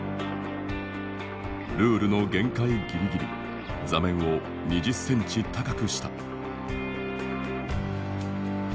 ルールの限界ギリギリ座面を２０センチ高くした。